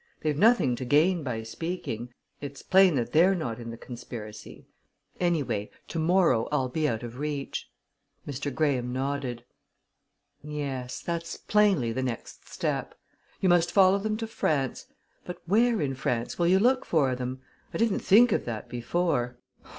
They've nothing to gain by speaking it's plain that they're not in the conspiracy. Anyway, to morrow I'll be out of reach." Mr. Graham nodded. "Yes that's plainly the next step. You must follow them to France but where in France will you look for them? I didn't think of that before.